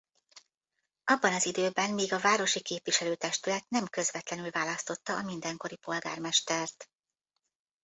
Abban az időben még a városi képviselő testület nem közvetlenül választotta a mindenkori polgármestert.